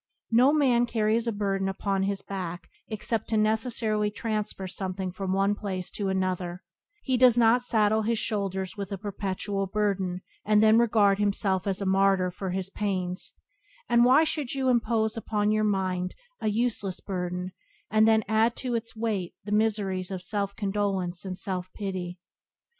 No man carries a load upon his back except to necessarily transfer something from one place to another; he does not saddle his shoulders with a perpetual burden, and then regard himself as a martyr for his pains; and why should you impose upon your mind a useless burden, and then add to its weight the miseries of self condolence and self pity?